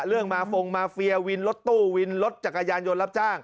เรื่องมาฟงมาเฟียวินรถตู้วินรถจักรยานยนต์รับจ้าง